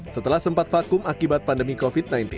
setelah sempat vakum akibat pandemi covid sembilan belas